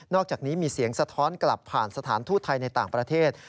อกจากนี้มีเสียงสะท้อนกลับผ่านสถานทูตไทยในต่างประเทศ